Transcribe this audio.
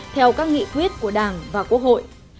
theo các nghị quyết của đảng và quốc hội